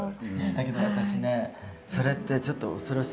だけど私ねそれってちょっと恐ろしい感じ。